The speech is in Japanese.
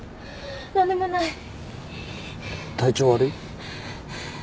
体調悪い？